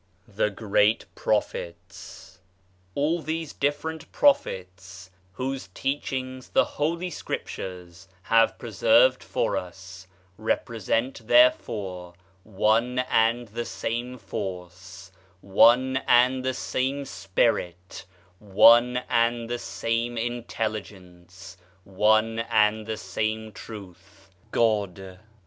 THE GREAT PROPHETS All these different Prophets whose teach ings the Holy Scriptures have preserved for us represent therefore one and the same force, one and the same spirit, one and the same intelligence, one and the same Truth — God.